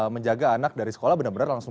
menjaga anak dari sekolah benar benar langsung